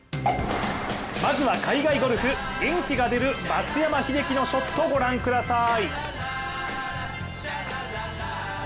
まずは海外ゴルフ、元気が出る松山英樹のショット、御覧ください。